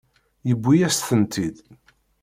Yewwi-yas-tent-id.